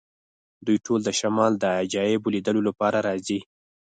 دوی ټول د شمال د عجایبو لیدلو لپاره راځي